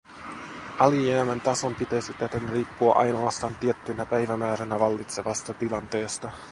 Alijäämän tason pitäisi täten riippua ainoastaan tiettynä päivämääränä vallitsevasta tilanteesta.